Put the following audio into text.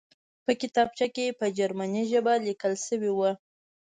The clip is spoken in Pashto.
په کتابچه کې په جرمني ژبه لیکل شوي وو